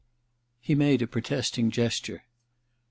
* He made a protesting gesture.